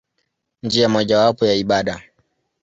Njia mojawapo ya ibada.